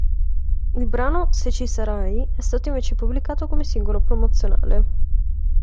Il brano "Se ci sarai" è stato invece pubblicato come singolo promozionale.